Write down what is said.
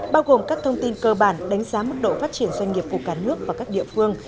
bao gồm các thông tin cơ bản đánh giá mức độ phát triển doanh nghiệp của cả nước và các địa phương